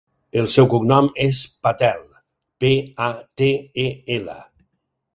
El seu cognom és Patel: pe, a, te, e, ela.